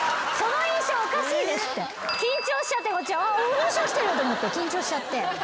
小栗旬来てる！と思って緊張しちゃって。